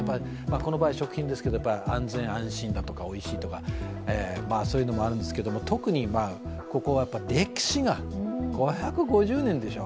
この場合、食品ですけれども安全・安心だとかおいしいとか、そういうのもあるんですが、特にここは歴史が、５５０年でしょう。